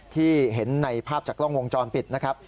ที่เห็นในภาพจากกล้องวงจรปิดนะครับ